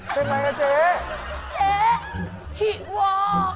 เจ๊หิว่า